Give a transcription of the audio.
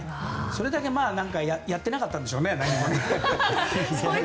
それだけ何もやってなかったんでしょうね。